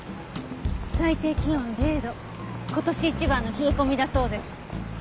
最低気温０度今年一番の冷え込みだそうです。